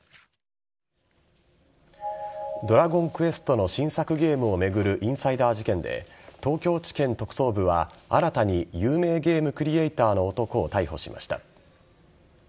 「ドラゴンクエスト」の新作ゲームを巡るインサイダー事件で東京地検特捜部は新たに有名ゲームクリエイターの男を逮捕しました。